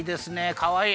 かわいい！